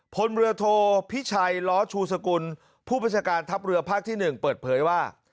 พลเรือโทพิชัยล้อชูสกุลผู้บัญชาการทัพเรือภาคที่๑เปิดเผยว่า